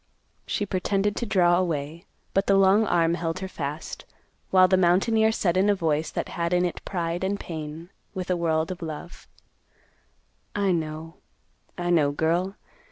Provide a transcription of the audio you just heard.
She pretended to draw away, but the long arm held her fast, while the mountaineer said in a voice that had in it pride and pain, with a world of love, "I know, I know, girl.